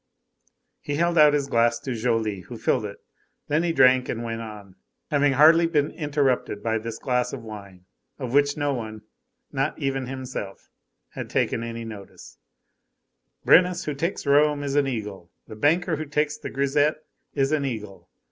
He held out his glass to Joly, who filled it, then he drank and went on, having hardly been interrupted by this glass of wine, of which no one, not even himself, had taken any notice:— "Brennus, who takes Rome, is an eagle; the banker who takes the grisette is an eagle.